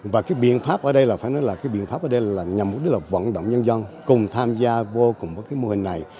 và cái biện pháp ở đây là nhằm vận động nhân dân cùng tham gia vô cùng với cái mô hình này